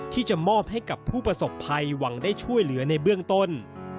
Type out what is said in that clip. ที่จะมอบให้กับผู้ประสบภัยหวังได้ช่วยเหลือในเบื้องต้น